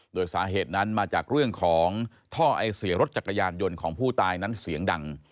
โดยสาเหตุนั้นมาจากเรื่องของท่อไอเสียรถจักรยานยนต์ของผู้ตายนั้นเสียงดัง